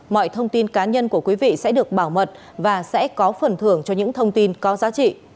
mọi thông tin cá nhân của quý vị sẽ được bảo mật và sẽ có phần thưởng cho những thông tin có giá trị